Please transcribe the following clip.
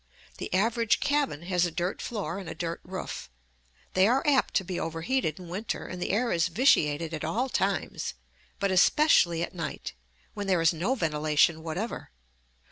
The average cabin has a dirt floor and a dirt roof. They are apt to be overheated in winter, and the air is vitiated at all times, but especially at night, when there is no ventilation whatever.